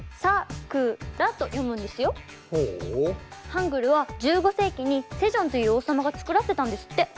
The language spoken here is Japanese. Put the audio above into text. ハングルは１５世紀に世宗という王様が作らせたんですって。